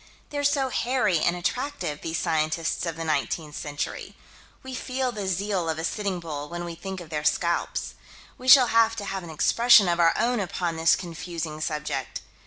They're so hairy and attractive, these scientists of the 19th century. We feel the zeal of a Sitting Bull when we think of their scalps. We shall have to have an expression of our own upon this confusing subject.